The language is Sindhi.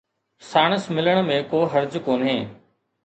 ساڻس ملڻ ۾ ڪو حرج ڪونهي